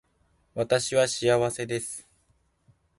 私は幸せです